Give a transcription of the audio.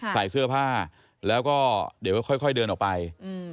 ใช่ใส่เสื้อผ้าแล้วก็เดี๋ยวค่อยค่อยเดินออกไปอืม